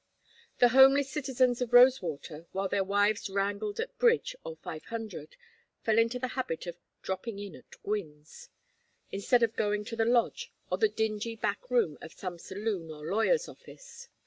The homeless citizens of Rosewater, while their wives wrangled at bridge or five hundred, fell into the habit of "dropping in at Gwynne's," instead of going to the Lodge or the dingy back room of some saloon or lawyer's office.